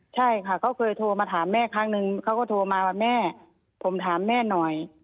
ใช่ค่ะเขาเคยโทรมาถามแม่ครั้งนึงเขาก็โทรมาว่าแม่ผมถามแม่หน่อย